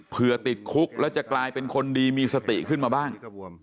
ติดคุกแล้วจะกลายเป็นคนดีมีสติขึ้นมาบ้าง